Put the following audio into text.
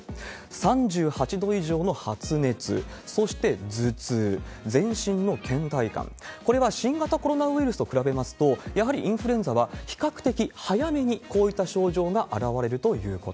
３８度以上の発熱、そして頭痛、全身のけん怠感、これは新型コロナウイルスと比べますと、やはりインフルエンザは比較的早めにこういった症状が現れるということ。